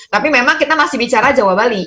tapi memang kita masih bicara jawa bali